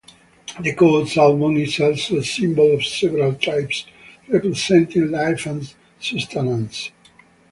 The coho salmon is also a symbol of several tribes, representing life and sustenance.